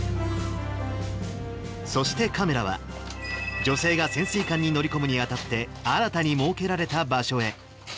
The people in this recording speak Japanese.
そしてカメラは、女性が潜水艦に乗り込むにあたって、新たに設けられた場所へ。